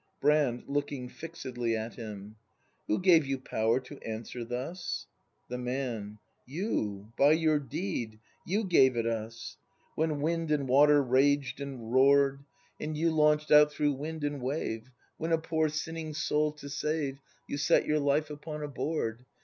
Brand. [Looking fixedly at him.] Who gave you power to answer thus? The Man. You, by your deed, you gave it us. When wind and water raged and roar'd. ACT II] BRAND 79 And you launch'd out through wind and wave. When, a poor sinning soul to save. You set your life upon a board.